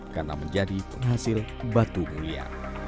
karena menjadi penghasil batu mulia